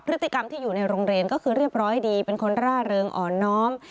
พฤติกรรมที่อยู่ในโรงเรียนก็คือเรียบร้อยดีเป็นคนร่าเริงอ่อนน้อม